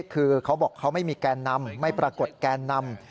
คือเขาบอกเขาไม่มีแกนนำไม่ปรากฏแกนนำ